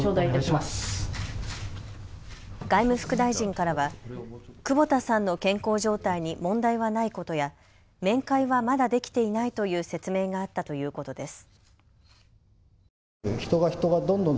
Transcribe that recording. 外務副大臣からは久保田さんの健康状態に問題はないことや面会はまだできていないという説明があったということです。